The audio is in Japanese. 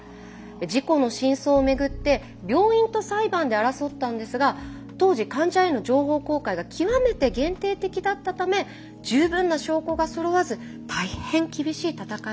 事故の真相を巡って病院と裁判で争ったんですが当時患者への情報公開が極めて限定的だったため十分な証拠がそろわず大変厳しい闘いになったんです。